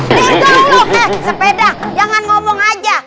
tidak loh eh sepeda jangan ngomong aja